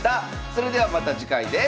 それではまた次回です。